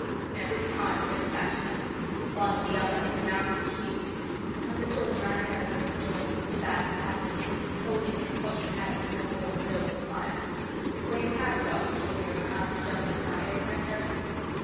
"Every time we get a batch of them, one or the other denounces you." "Under torture, I know," rejoined de Batz placidly, holding his podgy hands to the warm glow of the fire. "For you have started torture in your house of Justice now, eh, friend Heron?